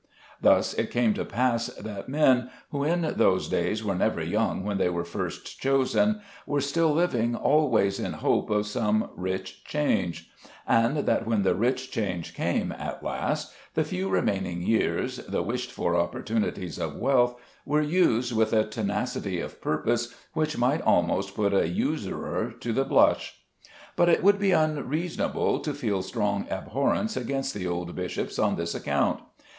Thus it came to pass that men, who in those days were never young when they were first chosen, were still living always in hope of some rich change; and that when the rich change came at last, the few remaining years, the wished for opportunities of wealth, were used with a tenacity of purpose which might almost put a usurer to the blush. But it would be unreasonable to feel strong abhorrence against the old bishops on this account.